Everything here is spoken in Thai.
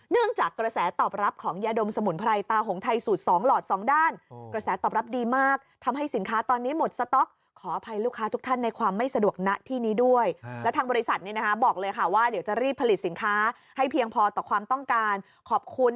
เนื่องจากกระแสตอบรับของยะดมสมุนไพรตาหงไทยสูตร๒หลอด๒ด้าน